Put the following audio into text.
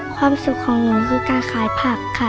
ความสุขของหนูคือการขายผักค่ะ